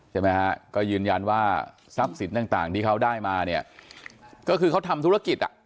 ใช่ไหมฮะก็ยืนยันว่าทรัพย์สินต่างที่เขาได้มาเนี่ยก็คือเขาทำธุรกิจอ่ะ